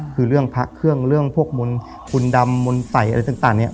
คือเรื่องพระเครื่องเรื่องพวกมนต์คุณดำมนต์ใสอะไรต่างเนี่ย